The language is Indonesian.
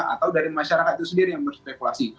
atau dari masyarakat itu sendiri yang berspekulasi